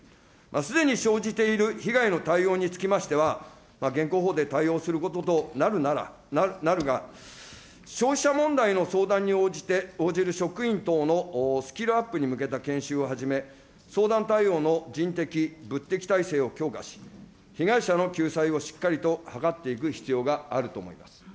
すでに生じている被害の対応につきましては、現行法で対応することとなるなら、なるが、消費者問題の相談に応じる職員等のスキルアップに向けた研修をはじめ、相談対応の人的、物的体制を強化し、被害者の救済をしっかりとはかっていく必要があると思います。